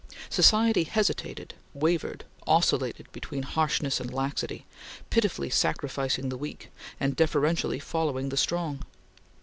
Society hesitated, wavered, oscillated between harshness and laxity, pitilessly sacrificing the weak, and deferentially following the strong.